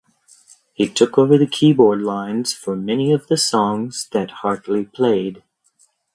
He took over keyboard lines for many of the songs that Hartley played.